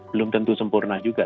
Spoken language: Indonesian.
belum tentu sempurna juga